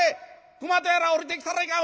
熊とやら下りてきたらいかん！